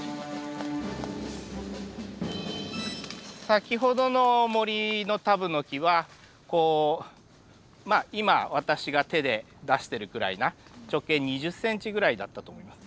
先ほどの森のタブノキはこうまあ今私が手で出してるくらいな直径２０センチぐらいだったと思います。